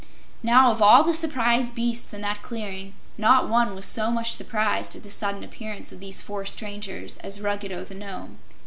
Now of all the surprised beasts in that clearing, not one was so much surprised at the sudden appearance of these four strangers as Ruggedo the Nome.